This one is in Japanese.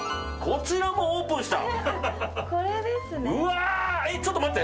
こちらもオープンした！